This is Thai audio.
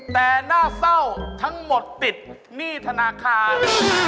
แต่น่าเศร้าทั้งหมดติดหนี้ธนาคาร